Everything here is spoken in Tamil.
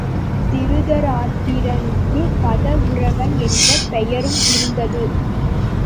திருதராட்டிர னுக்குக் கவுரவன் என்ற பெயரும் இருந்தது.